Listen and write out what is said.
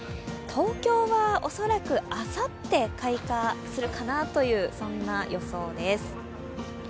東京は恐らくあさって開花するかなという予想です。